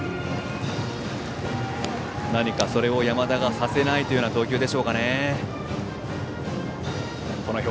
それを山田がさせないという投球でしょうか。